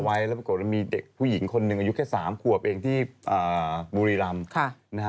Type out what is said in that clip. ไว้แล้วปรากฏว่ามีเด็กผู้หญิงคนหนึ่งอายุแค่๓ขวบเองที่บุรีรำ